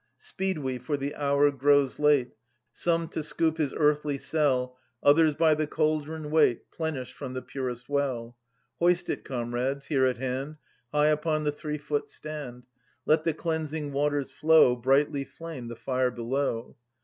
Speed we, for the hour grows late : Some to scoop his earthy cell, Others by the cauldron wait, Plenished from the purest well. Hoist it, comrades, here at hand, High upon the three foot stand! Let the cleansing waters flow ; Brightly flame the fire below !